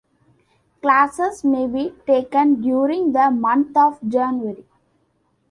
Classes may be taken during the month of January.